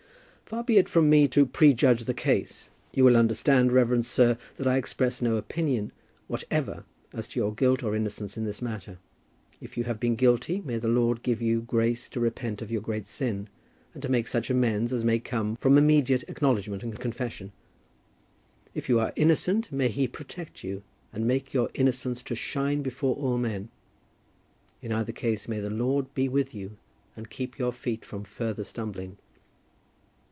Far be it from me to prejudge the case. You will understand, reverend sir, that I express no opinion whatever as to your guilt or innocence in this matter. If you have been guilty, may the Lord give you grace to repent of your great sin and to make such amends as may come from immediate acknowledgment and confession. If you are innocent, may He protect you, and make your innocence to shine before all men. In either case may the Lord be with you and keep your feet from further stumbling.